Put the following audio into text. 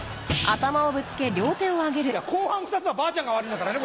いや後半２つはばあちゃんが悪いんだからね。